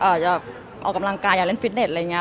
อาจจะออกกำลังกายอยากเล่นฟิตเน็ตอะไรอย่างนี้